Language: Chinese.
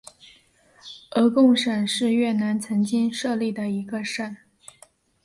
鹅贡省是越南曾经设立的一个省。